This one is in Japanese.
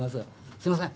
すいません